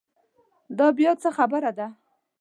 دا بیا څه خبره ده.